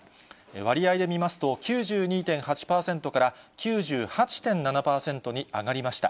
割合で見ますと、９２．８％から９８．７％に上がりました。